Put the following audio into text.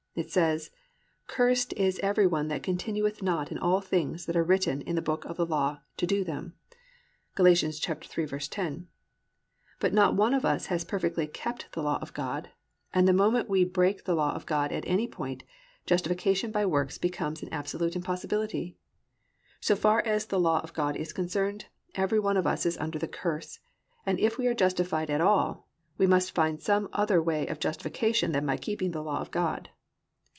It says, +"Cursed is every one that continueth not in all things that are written in the book of the law to do them."+ (Gal. 3:10.). But not one of us has perfectly kept the law of God, and the moment we break the law of God at any point, justification by works becomes an absolute impossibility. So as far as the law of God is concerned, every one of us is "under the curse," and if we are justified at all we must find some other way of justification than by keeping the law of God.